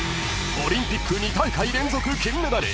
［オリンピック２大会連続金メダル］